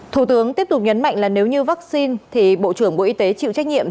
thủ tướng tiếp tục nhấn mạnh là nếu như vaccine thì bộ trưởng bộ y tế chịu trách nhiệm